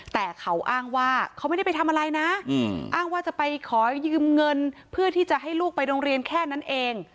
แต่เขาอ้างว่าเขาไม่ได้ไปทำอะไรนะอ้างว่าจะไปขอยืมเงินเพื่อที่จะให้ลูกไปโรงเรียนแค่นั้นเอง